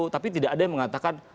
tapi tidak ada yang mengatakan